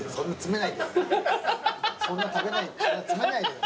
そんな詰めないでよ。